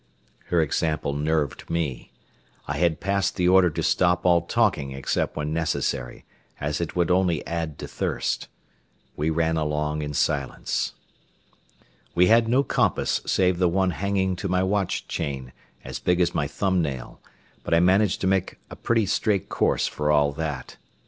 Her example nerved me. I had passed the order to stop all talking except when necessary, as it would only add to thirst. We ran along in silence. We had no compass save the one hanging to my watch chain, as big as my thumb nail, but I managed to make a pretty straight course for all that.